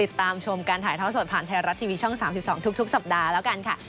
ชมการถ่ายท่อสดผ่านไทยรัฐทีวีช่อง๓๒ทุกสัปดาห์แล้วกันค่ะ